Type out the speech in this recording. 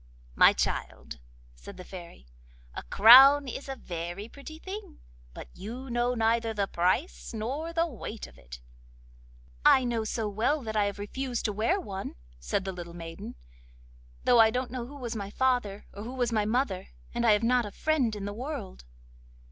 'My child,' said the Fairy, 'a crown is a very pretty thing, but you know neither the price nor the weight of it.' 'I know so well that I have refused to wear one,' said the little maiden, 'though I don't know who was my father, or who was my mother, and I have not a friend in the world.